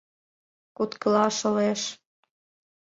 Куткыла шолеш.